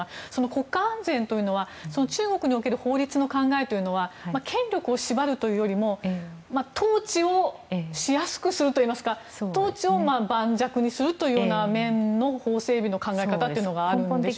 国家安全というのは中国における法律の考えは権力を縛るというよりも統治をしやすくするといいますか統治を盤石にするという面での法整備の考え方というのがあるんでしょうか。